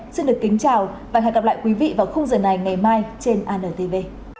xin được kính chào và hẹn gặp lại quý vị vào khung giờ này ngày mai trên antv